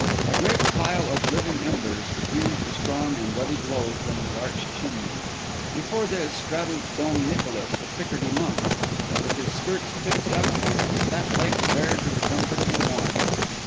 A great pile of living embers diffused a strong and ruddy glow from the arched chimney. Before this straddled Dom Nicolas, the Picardy monk, with his skirts picked up and his fat legs bared to the comfortable warmth.